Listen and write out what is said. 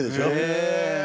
へえ。